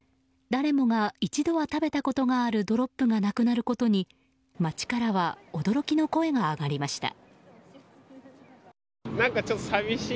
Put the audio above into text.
誰もが一度は食べたことがあるドロップがなくなることに街からは驚きの声が上がりました。